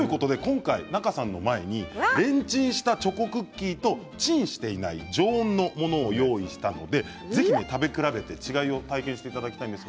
仲さんの前にレンチンしたチョコクッキーとチンしていない常温のものを用意したので違いを体験していただきたいと思います。